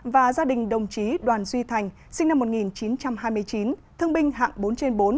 và gia đình đồng chí đoàn duy thành sinh năm một nghìn chín trăm hai mươi chín thương binh hạng bốn trên bốn